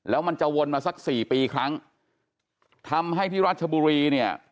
แล้วมันจะวนมาสักสี่ปีครั้งทำให้ที่รัชบุรีเนี่ย